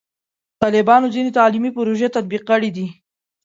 طالبانو ځینې تعلیمي پروژې تطبیق کړي دي.